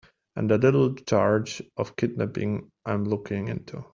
And a little charge of kidnapping I'm looking into.